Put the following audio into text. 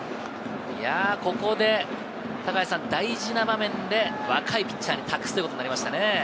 ここで大事な場面で、若いピッチャーに託すということになりましたね。